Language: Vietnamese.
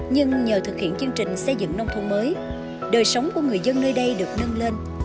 nhưng nhờ thực hiện chương trình xây dựng nông thôn mới đời sống của người dân nơi đây được nâng lên